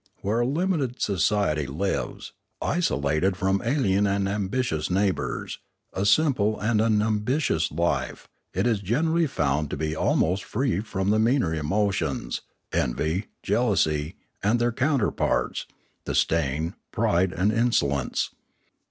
Where a limited society lives, isolated from alien and ambitious neighbours, a simple and un ambitious life, it is generally found to be almost free from the meaner emotions, envy, jealousy, and their counterparts, disdain, pride, and insolence.